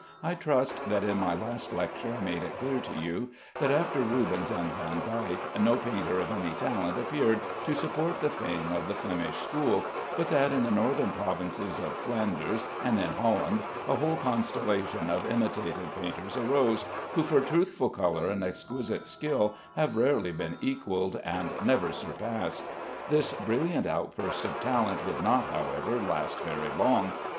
I trust that in my last lecture I made it clear to you that after Rubens and Vandyke no painter of any talent appeared, to support the fame of the Flemish school, but that in the northern provinces of Flanders and in Holland a whole constellation of imitative painters arose, who, for truthful color and exquisite skill, have rarely been equalled, and never surpassed. This brilliant outburst of talent did not, however, last very long.